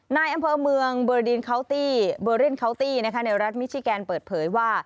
นายอำเภอเมืองเบอร์ดินคาวตี้ในรัฐมิชิแกนเปิดเผยว่า